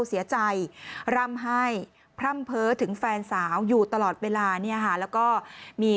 เสียใจร่ำให้พร่ำเพ้อถึงแฟนสาวอยู่ตลอดเวลาเนี่ยค่ะแล้วก็มี